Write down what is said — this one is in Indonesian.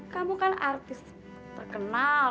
kamu kan artis terkenal